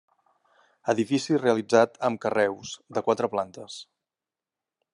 Edifici realitzat amb carreus, de quatre plantes.